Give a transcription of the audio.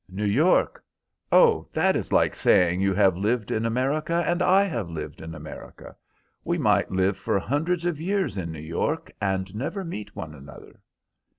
"New York! Oh, that is like saying you have lived in America and I have lived in America. We might live for hundreds of years in New York and never meet one another!"